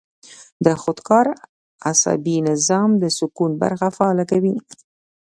د خودکار اعصابي نظام د سکون برخه فعاله کوي -